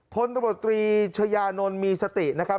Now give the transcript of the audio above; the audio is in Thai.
พลตำรวจตรีชายานนท์มีสตินะครับ